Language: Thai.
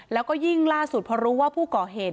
แล้วก็ยิ่งล่าสุดพอรู้ว่าผู้ก่อเหตุ